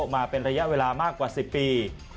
มาเป็นระยะเวลามากกว่า๑๐ปี